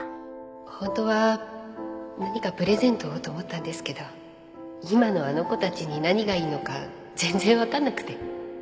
ホントは何かプレゼントをと思ったんですけど今のあの子たちに何がいいのか全然分かんなくて